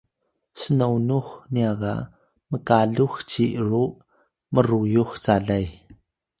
snonux nya ga mkalux ci ru mruyux calay